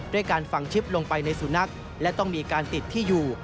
การฝังชิปลงไปในสุนัขและต้องมีการติดที่อยู่